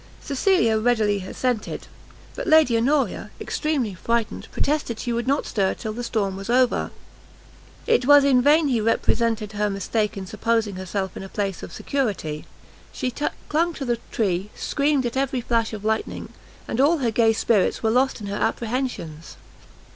Cecilia readily assented; but Lady Honoria, extremely frightened, protested she would not stir till the storm was over. It was in vain he represented her mistake in supposing herself in a place of security; she clung to the tree, screamed at every flash of lightning, and all her gay spirits were lost in her apprehensions.